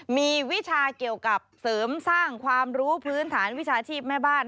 มีวิชาเกี่ยวกับเสริมสร้างความรู้พื้นฐานวิชาชีพแม่บ้าน